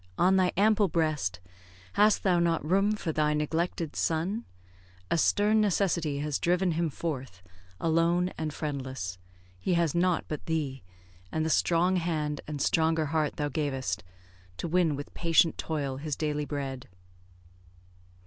on thy ample breast Hast thou not room for thy neglected son? A stern necessity has driven him forth Alone and friendless. He has naught but thee, And the strong hand and stronger heart thou gavest, To win with patient toil his daily bread."